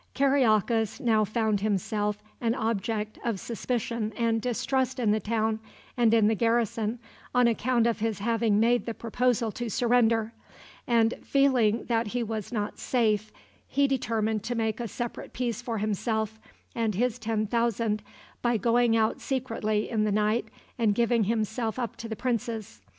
Kariakas now found himself an object of suspicion and distrust in the town and in the garrison on account of his having made the proposal to surrender, and feeling that he was not safe, he determined to make a separate peace for himself and his ten thousand by going out secretly in the night and giving himself up to the princes.